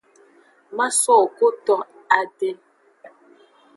Masowo koto adin.